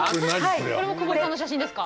これは？これも久保井さんの写真ですか？